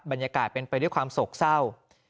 บรรยากาศเป็นไปด้วยความโศกเศร้า